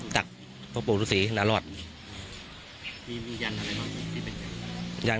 ศักดิ์พระปุรุษรีนารอดมียันอะไรบ้าง